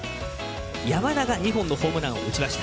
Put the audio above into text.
山田が２本のホームランを打ちました。